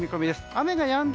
雨がやんだ